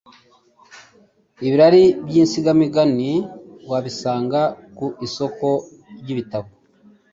Ibirari by'insigamigani wabisanga ku isoko ry' ibitabo